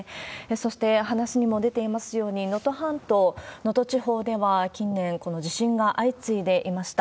そして、話にも出ていますように、能登半島、能登地方では近年、地震が相次いでいました。